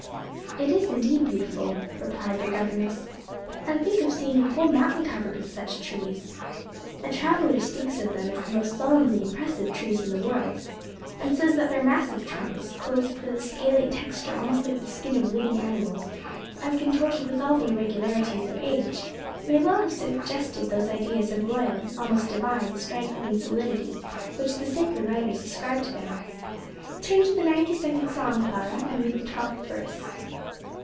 "It is indeed beautiful," replied their governess; "and think of seeing a whole mountain covered with such trees! A traveler speaks of them as the most solemnly impressive trees in the world, and says that their massive trunks, clothed with a scaly texture almost like the skin of living animals and contorted with all the irregularities of age, may well have suggested those ideas of royal, almost divine, strength and solidity which the sacred writers ascribe to them. Turn to the ninety second psalm, Clara, and read the twelfth verse."